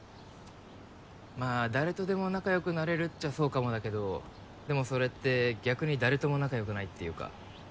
まあ誰とでも仲良くなれるっちゃそうかもだけどでもそれって逆に誰とも仲良くないっていうか。